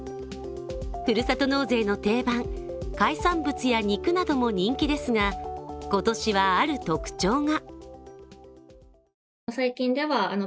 ふるさと納税の定番、海産物や肉なども人気ですが、今年はある特徴が。